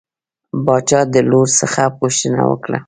باچا د لور څخه پوښتنه وکړه.